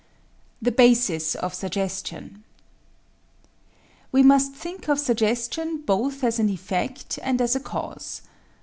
The Basis of Suggestion We must think of suggestion both as an effect and as a cause.